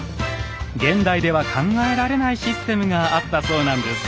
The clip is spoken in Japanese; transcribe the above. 現代では考えられないシステムがあったそうなんです。